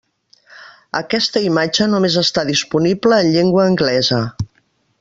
Aquesta imatge només està disponible en llengua anglesa.